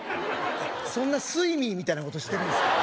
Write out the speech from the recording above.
そんなスイミーみたいなことしてるんですか？